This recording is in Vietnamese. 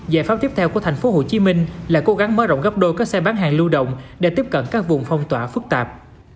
giải pháp tiếp theo của tp hcm là cố gắng mở rộng gấp đôi các xe bán hàng lưu động để tiếp cận các vùng phong tỏa phức tạp